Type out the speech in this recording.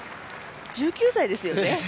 １９歳ですよね？